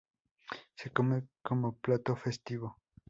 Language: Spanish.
Se come como plato festivo.